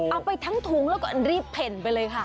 เอาไปทั้งถุงแล้วก็รีบเพ่นไปเลยค่ะ